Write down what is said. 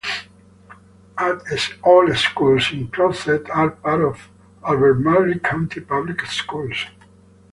All schools in Crozet are part of Albemarle County Public Schools.